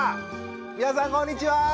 皆さんこんにちは！